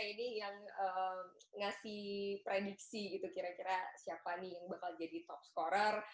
ini yang ngasih prediksi gitu kira kira siapa nih yang bakal jadi top scorer